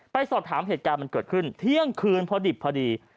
ไปสอบถามเหตุการณ์มันเกิดขึ้นเที่ยงคืนพอดิบพอดี